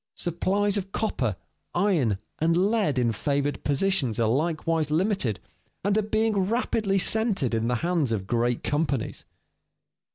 Supplies of copper, iron, and lead in favored positions are likewise limited, and are being rapidly centered in the hands of great companies.